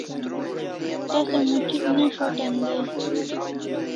Tasa muth'ik ne s'atan dai